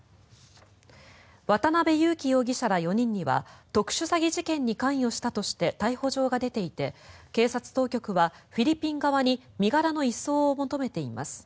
渡邉優樹容疑者ら４人は特殊詐欺事件に関与したとして逮捕状が出ていて警察当局はフィリピン側に身柄の移送を求めています。